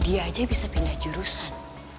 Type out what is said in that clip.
dia aja bisa pindah jurusan